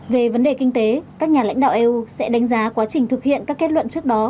về vấn đề kinh tế các nhà lãnh đạo eu sẽ đánh giá quá trình thực hiện các kết luận trước đó